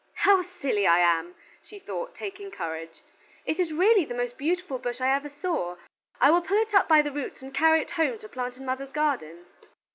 "How silly I am!" she thought, taking courage: "it is really the most beautiful bush I ever saw. I will pull it up by the roots and carry it home to plant in mother's garden."